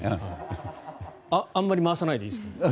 あまり回さないでいいですよ。